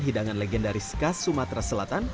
hidangan legendaris khas sumatera selatan